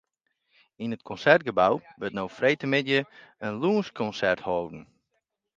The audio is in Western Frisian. Yn it Konsertgebou wurdt no freedtemiddei in lunsjkonsert holden.